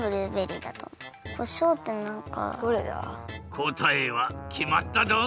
こたえはきまったドン？